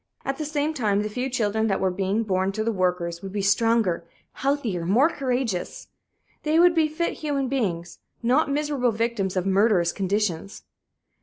At the same time, the few children that were being born to the workers would be stronger, healthier, more courageous. They would be fit human beings not miserable victims of murderous conditions.